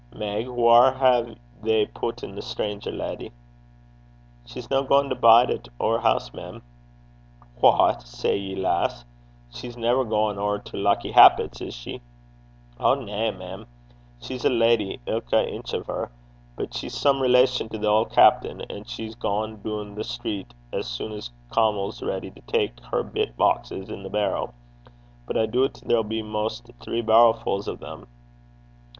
'Meg, whaur hae they putten the stranger leddy?' 'She's no gaein' to bide at our hoose, mem.' 'What say ye, lass? She's never gaein' ower to Lucky Happit's, is she?' 'Ow na, mem. She's a leddy, ilka inch o' her. But she's some sib (relation) to the auld captain, and she's gaein' doon the street as sune's Caumill's ready to tak her bit boxes i' the barrow. But I doobt there'll be maist three barrowfu's o' them.'